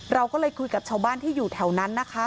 เราก็เลยคุยกับชาวบ้านที่อยู่แถวนั้นนะคะ